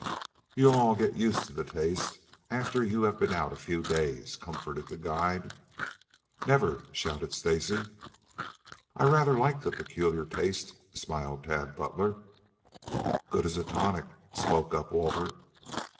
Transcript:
"You'll all get used to the taste after you have been out a few days," comforted the guide. "Never!" shouted Stacy. "I rather like the peculiar taste," smiled Tad Butler. "Good as a tonic," spoke up Walter.